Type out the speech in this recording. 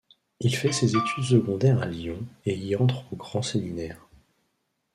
Il fait ses études secondaires à Lyon et y entre au grand Séminaire.